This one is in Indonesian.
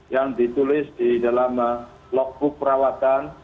yang ditulis di dalam logbook perawatan